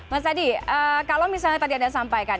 mas adi kalau misalnya tadi anda sampaikan